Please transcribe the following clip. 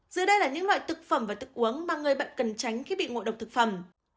giờ đây là những loại thực phẩm và thức uống mà người bệnh cần tránh khi bị ngộ độc thực phẩm